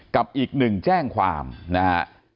กับอีกหนึ่งแจ้งความนะฮะ